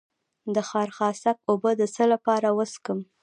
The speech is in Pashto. د خارخاسک اوبه د څه لپاره وڅښم؟